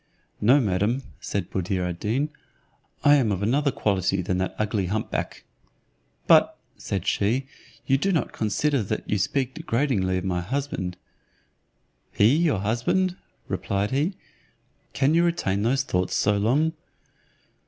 "No, madam," said Buddir ad Deen, "I am of another quality than that ugly hump back." "But," said she, "you do not consider that you speak degradingly of my husband." "He your husband," replied he: "can you retain those thoughts so long?